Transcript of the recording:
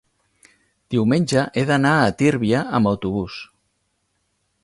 diumenge he d'anar a Tírvia amb autobús.